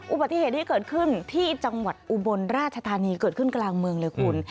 อุบัติเหตุที่เกิดขึ้นที่จังหวัดอุบลราชธานีเกิดขึ้นกลางเมืองเลยคุณ